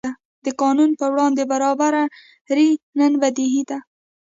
د قانون پر وړاندې برابري نن بدیهي ده.